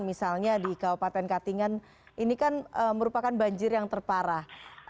misalnya di kabupaten katingan ini kan merupakan banjir yang terparah